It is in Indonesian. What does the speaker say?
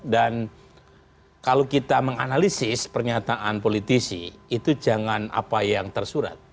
dan kalau kita menganalisis pernyataan politisi itu jangan apa yang tersurat